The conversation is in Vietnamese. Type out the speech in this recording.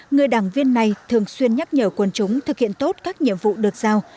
người đảng viên này thường xuyên nhắc nhở quân chúng thực hiện tốt các nhiệm vụ được giao